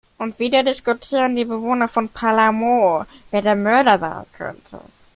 Und wieder diskutieren die Bewohner von Palermo, wer der Mörder sein könnte.